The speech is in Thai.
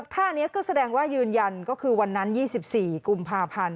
ท่านี้ก็แสดงว่ายืนยันก็คือวันนั้น๒๔กุมภาพันธ์